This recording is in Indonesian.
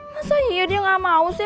masa iya dia gak mau sih